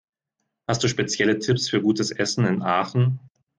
Hast du spezielle Tipps für gutes Essen in Aachen?